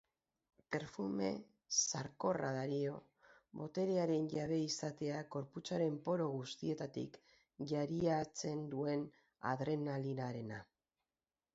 Perfume sarkorra dario, boterearen jabe izateak gorputzaren poro guztietatik jariatzen duen adrenalinarena.